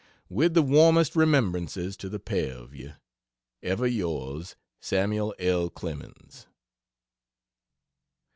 With the warmest remembrances to the pair of you Ever Yours SAMUEL L. CLEMENS.